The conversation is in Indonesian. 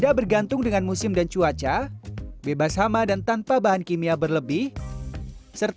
kita bisa memprediksi